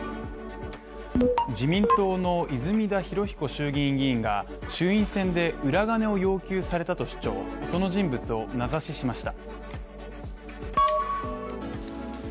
自民党の泉田裕彦衆議院議員が衆院選で裏金を要求されたと主張、その人物を名指ししました。